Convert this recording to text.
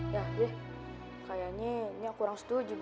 ya ya kayaknya ini aku kurang setuju be